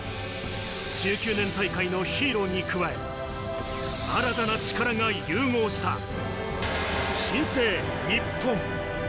１９年大会のヒーローに加え、新たな力が融合した新生日本。